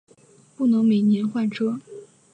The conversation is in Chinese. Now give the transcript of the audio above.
不能每年换车